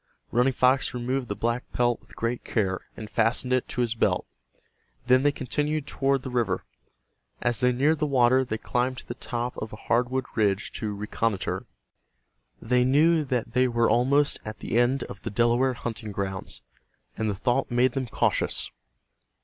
Running Fox removed the black pelt with great care, and fastened it to his belt. Then they continued toward the river. As they neared the water they climbed to the top of a hardwood ridge to reconnoiter. They knew that they were almost at the end of the Delaware hunting grounds, and the thought made them cautious.